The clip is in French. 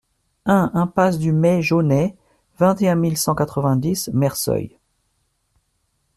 un impasse du Meix Jauney, vingt et un mille cent quatre-vingt-dix Merceuil